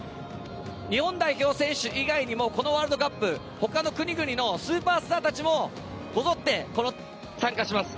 日本代表選手以外にもこのワールドカップほかの国々のスーパースターたちもこぞって参加します。